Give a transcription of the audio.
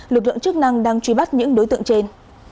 lực lượng chức năng đang truy bắt những đối tượng trên